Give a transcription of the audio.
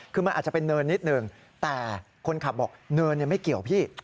คือมันอาจจะเป็นเนินนิดหนึ่งแต่คนขับบอกเนินไม่เกี่ยวพี่